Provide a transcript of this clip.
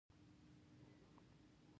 هېبرا متل وایي د زړه خبرې ډېرې اغېزمنې دي.